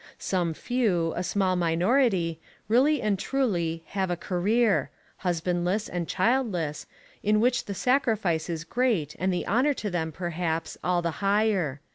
Some few, a small minority, really and truly "have a career," husbandless and childless, in which the sacrifice is great and the honour to them, perhaps, all the higher.